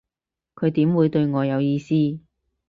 佢點會對我有意思